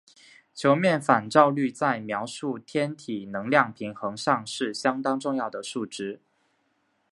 球面反照率在描述天体能量平衡上是相当重要的数值。